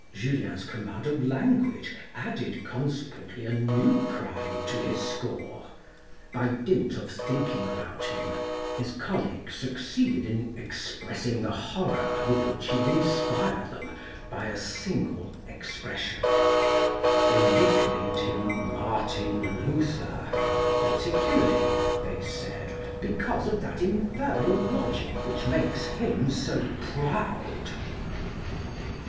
Julien's command of language added consequently a new crime to his score. By dint of thinking about him, his colleagues succeeded in expressing the horror with which he would inspire them by a single expression ; they nicknamed him Martin Luther, "particularly," they said, "because of that infernal logic which makes him so proud."